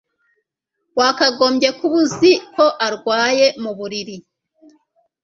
Wakagombye kuba uzi ko arwaye muburiri